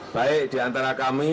baik diantara kami